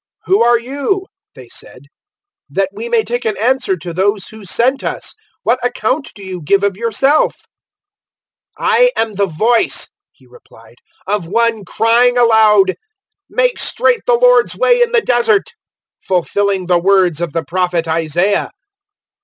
"Who are you?" they said "that we may take an answer to those who sent us. What account do you give of yourself?" 001:023 "I am the voice," he replied, "of one crying aloud, `Make straight the Lord's way in the Desert,' fulfilling the words of the Prophet Isaiah."